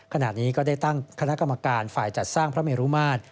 ขณะนี้ก็ได้ตั้งคณะกรรมการฝ่ายจัดสร้างพระเมรุมาตร